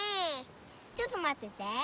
ちょっとまってて。